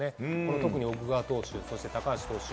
特に奥川投手、高橋投手。